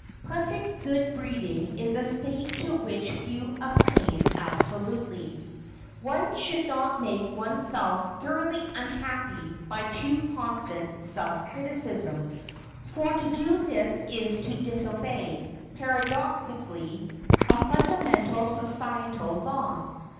Perfect good breeding is a state to which few attain absolutely. One should not make one's self thoroughly unhappy by too constant self criticism, for to do this is to disobey—paradoxically—a fundamental social law.